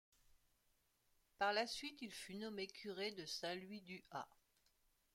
Par la suite, il fut nommé curé de Saint-Louis-du-Ha!